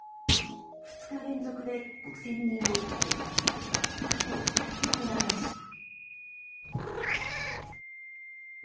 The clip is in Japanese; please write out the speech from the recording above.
２日連続で５０００人を超え過去最多となりました。